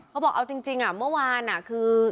เขาบอกเอาจริงเมื่อวานคือ